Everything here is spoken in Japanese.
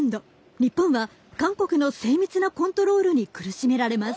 日本は韓国の精密なコントロールに苦しめられます。